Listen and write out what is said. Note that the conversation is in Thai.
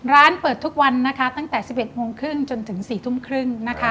ร้านเปิดทุกวันนะคะตั้งแต่๑๑โมงครึ่งจนถึง๔ทุ่มครึ่งนะคะ